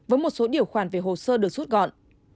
với một số điều khoản về hồ sơ được rút gọn